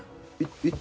えっ？